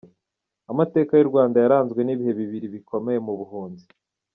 Amateka y’u Rwanda yaranzwe n’ibihe bibiri bikomeye mu buhunzi.